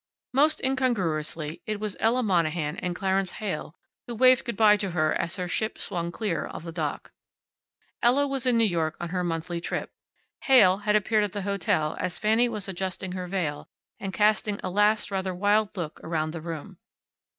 Most incongruously, it was Ella Monahan and Clarence Heyl who waved good by to her as her ship swung clear of the dock. Ella was in New York on her monthly trip. Heyl had appeared at the hotel as Fanny was adjusting her veil and casting a last rather wild look around the room.